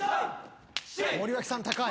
森脇さん高い。